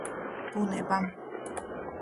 ბუნება